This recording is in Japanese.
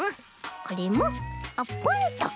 これもあっポンと。